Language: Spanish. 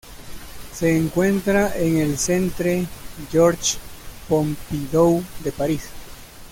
Se encuentra en el Centre Georges Pompidou de París.